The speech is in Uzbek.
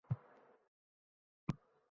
buni yana oʻrganishim kerak.